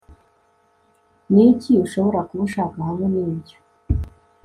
niki ushobora kuba ushaka hamwe nibyo